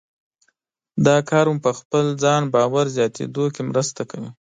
دا کار مو په خپل ځان باور زیاتېدو کې مرسته کوي.